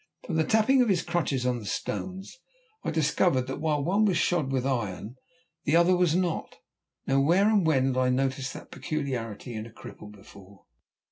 From the tapping of his crutches on the stones I discovered that while one was shod with iron, the other was not. Now where and when had I noticed that peculiarity in a cripple before?